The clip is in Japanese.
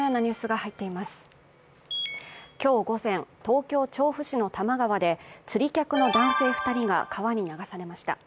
今日午前、東京・調布市の多摩川で釣り客の男性２人が川に流されました。